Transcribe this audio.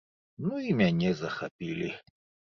Ну і мяне захапілі.